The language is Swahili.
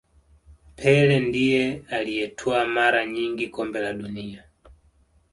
pele ndiye aliyetwaa mara nyingi kombe la dunia